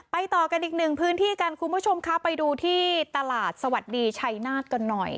ต่อกันอีกหนึ่งพื้นที่กันคุณผู้ชมคะไปดูที่ตลาดสวัสดีชัยนาธกันหน่อย